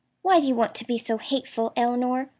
"Why do you want to be so hateful, Elinor?"